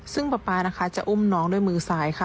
ซึ่งป๊าจะอุ้มน้องด้วยมือซ้ายค่ะ